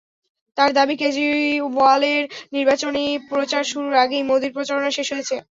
তাঁর দাবি, কেজরিওয়ালের নির্বাচনী প্রচার শুরুর আগেই মোদির প্রচারণা শেষ হয়েছে।